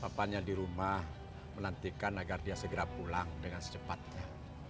papanya di rumah menantikan agar dia segera pulang dengan secepatnya